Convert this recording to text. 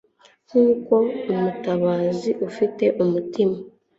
nkuko umutabazi ufite umutima